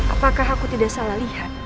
apakah aku tidak salah lihat